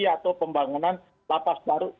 atau pembangunan lapas baru